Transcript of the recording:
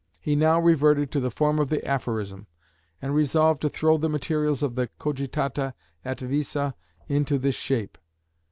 He now reverted to the form of the aphorism, and resolved to throw the materials of the Cogitata et Visa into this shape.